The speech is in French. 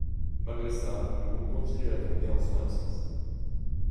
Malgré ça, le groupe continue la tournée en son absence.